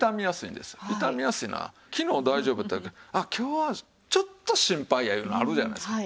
傷みやすいのは昨日大丈夫やった今日はちょっと心配やいうのあるじゃないですか。